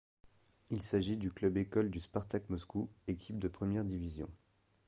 Il s'agît du club-école du Spartak Moscou, équipe de première division.